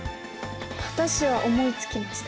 私は思いつきました。